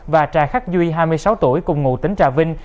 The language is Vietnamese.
và trà khắc duy hai mươi sáu tuổi cùng ngụ tính trà vinh